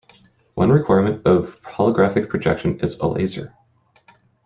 One requirement of holographic projection is a laser.